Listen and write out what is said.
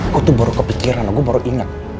gue tuh baru kepikiran gue baru inget